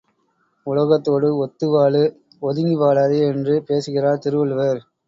உலகத்தோடு ஒத்து வாழு ஒதுங்கி வாழாதே என்று பேசுகிறார் திருவள்ளுவர்.